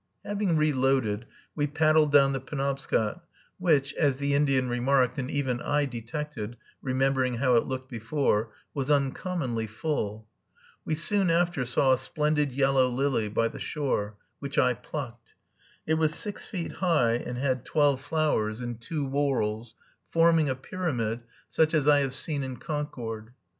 Having reloaded, we paddled down the Penobscot, which, as the Indian remarked, and even I detected, remembering how it looked before, was uncommonly full. We soon after saw a splendid yellow lily (Lilium Canadense) by the shore, which I plucked. It was six feet high, and had twelve flowers, in two whorls, forming a pyramid, such as I have seen in Concord.